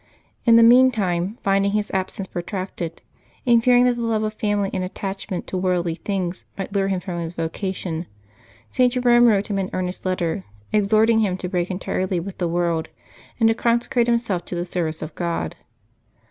In the meantime, finding his absence protracted, and fearing that the love of family and attachment to worldly things might lure him from his vocation, St. Jerome wrote him an earnest letter, exhorting him to break entirely with the world and to consecrate himself to the service of God.